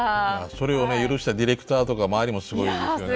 それをね許したディレクターとか周りもすごいですよね。